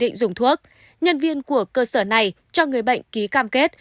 khi f có chỉ định dùng thuốc nhân viên của cơ sở này cho người bệnh ký cam kết